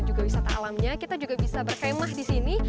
dan juga wisata alamnya kita juga bisa berkemah di sini